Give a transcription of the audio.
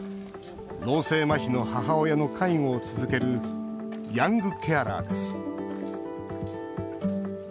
脳性まひの母親の介護を続ける「ヤングケアラー」です。